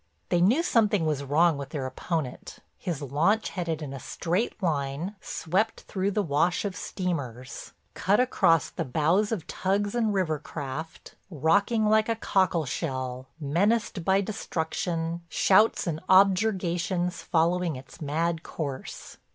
They knew something was wrong with their opponent; his launch headed in a straight line swept through the wash of steamers, cut across the bows of tugs and river craft, rocking like a cockleshell, menaced by destruction, shouts and objurgations following its mad course.